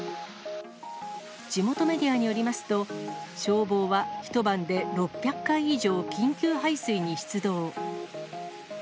地元メディアによりますと、消防は一晩で６００回以上、緊急排水に出動。